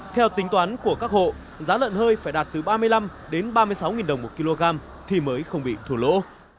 theo tính toán của các hộ giá lợn hơi phải đạt từ ba mươi năm đến ba mươi sáu đồng một kg thì mới không bị thua lỗ